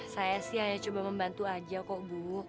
saya sih hanya coba membantu aja kok bu